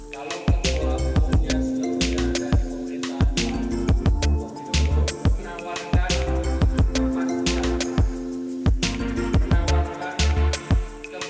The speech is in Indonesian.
kalau ketua umumnya seluruhnya dan pemerintahan